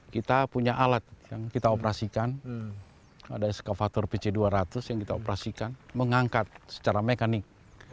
kita punya alat yang kita operasikan ada eskavator pc dua ratus yang kita operasikan mengangkat secara mekanik